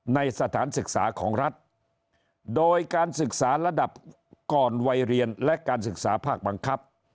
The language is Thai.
ในสถานศึกษาของรัฐโดยการศึกษาระดับก่อนวัยเรียนและการศึกษาภาคบังคับ